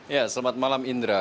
ya selamat malam indra